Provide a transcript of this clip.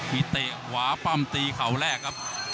มีเตะขวาปั้มตีเข่าแรกครับ